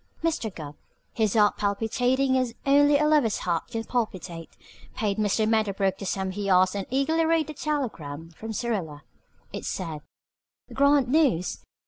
Mr. Gubb, his heart palpitating as only a lover's heart can palpitate, paid Mr. Medderbrook the sum he asked and eagerly read the telegram from Syrilla. It said: Grand news!